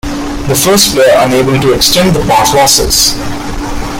The first player unable to extend the path loses.